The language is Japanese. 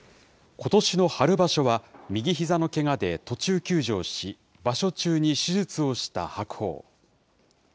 ことしの春場所は右ひざのけがで途中休場し、場所中に手術をした白鵬。